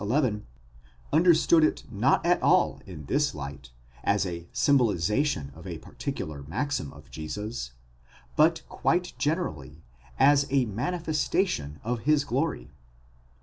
11, understood it not at all in this light, as a symbolization of a particular maxim of Jesus, but quite generally, as a manifestation φανέρωσις of his glory.